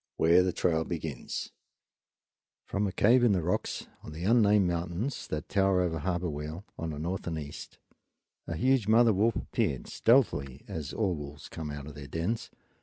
Where the Trail Begins From a cave in the rocks, on the unnamed mountains that tower over Harbor Weal on the north and east, a huge mother wolf appeared, stealthily, as all wolves come out of their dens.